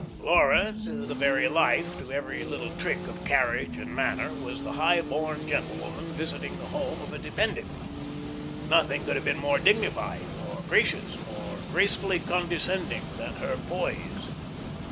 _" Laura to the very life, to every little trick of carriage and manner was the high born gentlewoman visiting the home of a dependent. Nothing could have been more dignified, more gracious, more gracefully condescending than her poise.